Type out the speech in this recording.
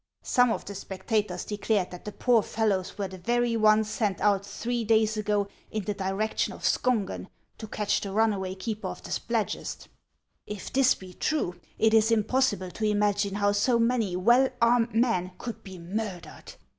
Some of the spectators declared that the poor fellows were the very ones sent out three days ago in the direction of Skongen to catch the runaway keeper of the Spladgest. If this be true, it is impossible to imagine how so many well armed men could be murdered.